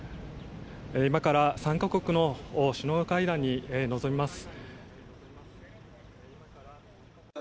今から３か国の首脳会談に臨みます。